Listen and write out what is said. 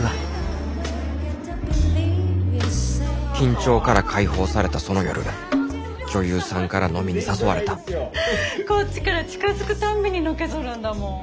緊張から解放されたその夜女優さんから飲みに誘われたこっちから近づくたんびにのけぞるんだもん。